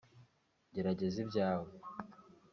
gerageza ibyawe